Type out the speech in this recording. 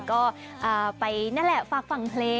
ก็ไปนั่นแหละฝากฝั่งเพลง